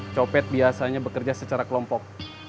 copet biasanya bekerja secara kelompok